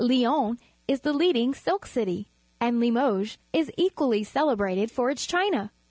Lyons is the leading silk city, and Limoges is equally celebrated for its china.